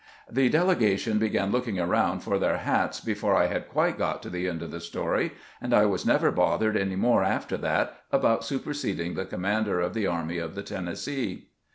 The dele gation began looking around for their hats before I had quite got to the end of the story, and I was never both ered any more after that about superseding the com mander of the Army of the Tennessee.'